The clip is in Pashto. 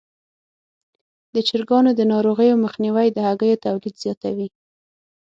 د چرګانو د ناروغیو مخنیوی د هګیو تولید زیاتوي.